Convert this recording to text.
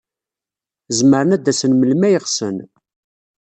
Zemren ad d-asen melmi ay ɣsen.